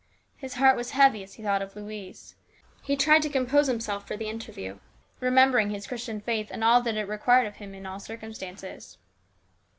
His heart was heavy as he thought of Louise. He tried to compose himself for the inter view, remembering his Christian faith and all that it required of him in all circumstances.